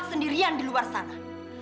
sendirian di luar sana